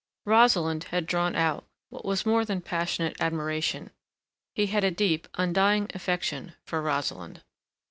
Rosalind had drawn out what was more than passionate admiration; he had a deep, undying affection for Rosalind.